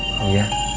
oh ya terima kasih